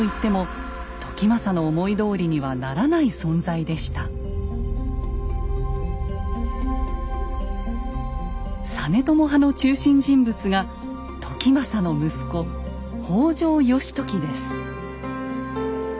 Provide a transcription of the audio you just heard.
実の孫といっても実朝派の中心人物が時政の息子北条義時です。